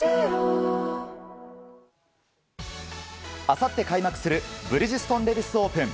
あさって開幕するブリヂストンレディスオープン。